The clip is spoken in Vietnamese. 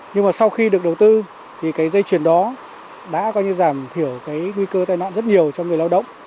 nhưng sau khi được đầu tư thì dây chuyền đó đã giảm thiểu nguy cơ tai nạn rất nhiều cho người lao động